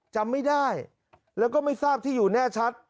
จำไม่ได้แล้วก็ไม่ทราบที่อยู่แน่ชัด